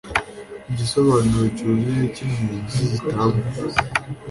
igisobanuro cyuzuye cy impunzi gitangwa